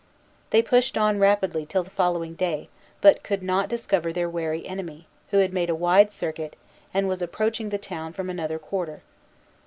They pushed on rapidly till the following day, but could not discover their wary enemy, who had made a wide circuit, and was approaching the town from another quarter.